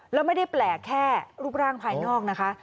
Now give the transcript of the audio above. แล้วไม่ได้แปลกแค่รูปร่างภายนอกนะคะ